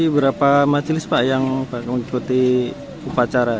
berapa majelis pak yang mengikuti upacara